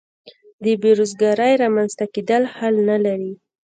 د بې روزګارۍ رامینځته کېدل حل نه لري.